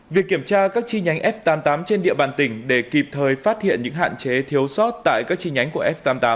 việc kiểm tra các chi nhánh f tám mươi tám trên địa bàn tỉnh để kịp thời phát hiện những hạn chế thiếu sót tại các chi nhánh của f tám mươi tám